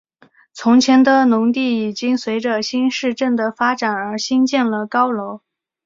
从前的农地已经随着新市镇的发展而兴建了高楼。